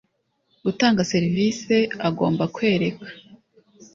gutanga serivisi agomba kwereka